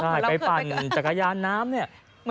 ใช่ไปปั่นจักรยานน้ำเนี่ย